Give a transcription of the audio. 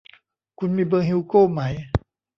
คุณมีเบอร์ฮิวโก้ไหม